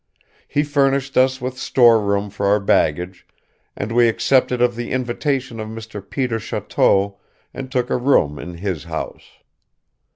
He furnished us with storeroom for our baggage and we accepted of the invitation of Mr. Peter Choteau and took a room in his house.